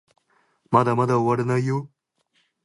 まだまだ終わらないよ